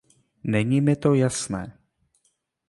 Není mi to jasné.